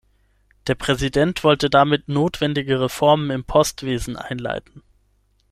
Der Präsident wollte damit notwendige Reformen im Postwesen einleiten.